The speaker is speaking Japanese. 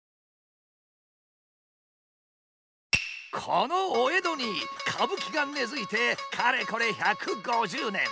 このお江戸に歌舞伎が根づいてかれこれ１５０年。